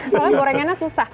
soalnya gorengannya susah